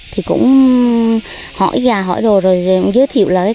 thì cũng hỏi giá hỏi đồ rồi giới thiệu lấy